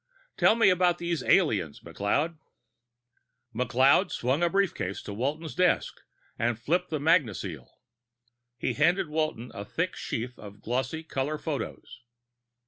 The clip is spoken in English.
Tell me about these aliens, Colonel McLeod." McLeod swung a briefcase to Walton's desk and flipped the magneseal. He handed Walton a thick sheaf of glossy color photos.